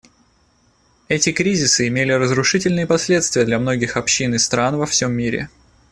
Эти кризисы имели разрушительные последствия для многих общин и стран во всем мире.